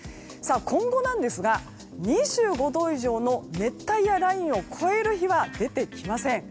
今後なんですが２５度以上の熱帯夜ラインを超える日は出てきません。